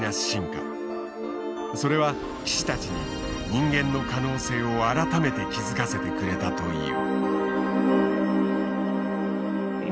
それは棋士たちに人間の可能性を改めて気付かせてくれたという。